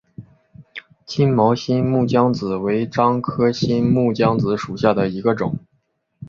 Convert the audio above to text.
金毛新木姜子为樟科新木姜子属下的一个种。